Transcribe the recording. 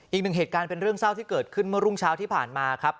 อีกหนึ่งเหตุการณ์เป็นเรื่องเศร้าที่เกิดขึ้นเมื่อรุ่งเช้าที่ผ่านมาครับ